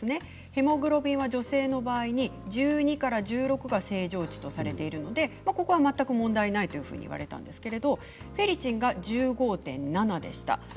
ヘモグロビンは女性の場合１２から１６が正常値とされているのでここは全く問題ないというふうに言われたんですけれどフェリチンが１５．７でした。